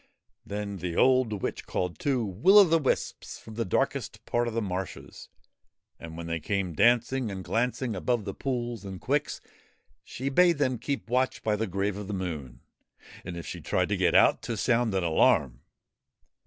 Then the old witch called two will o' the wisps from 10 THE BURIED MOON the darkest part of the marshes, and, when they came dancing and glancing above the pools and quicks, she bade them keep watch by the grave of the Moon, and, if she tried to get out, to sound an alarm.